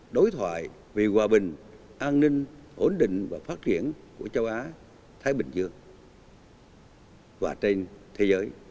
đối thoại vì hòa bình an ninh ổn định và phát triển của châu á thái bình dương và trên thế giới